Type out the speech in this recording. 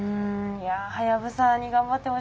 いやはやぶさに頑張ってほしいですね。